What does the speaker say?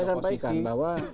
ya saya sampaikan bahwa